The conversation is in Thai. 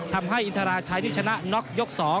ทำให้อินทราชัยนี่ชนะน็อกยก๒